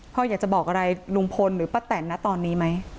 พ่ออยากจะบอกอะไรลุงพลหรือป้าแตนนะตอนนี้ไหม